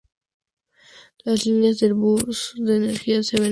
Las líneas del bus de energía se ven en negro.